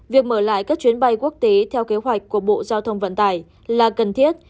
việc mở lại các chuyến bay quốc tế theo kế hoạch của bộ giao thông vận tải là cần thiết